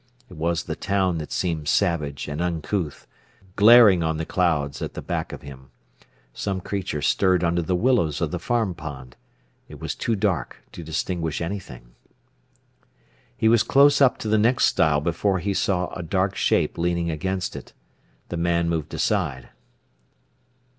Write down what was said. It was the town that seemed savage and uncouth, glaring on the clouds at the back of him. Some creature stirred under the willows of the farm pond. It was too dark to distinguish anything. He was close up to the next stile before he saw a dark shape leaning against it. The man moved aside.